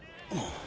ああ。